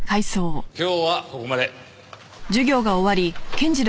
今日はここまで。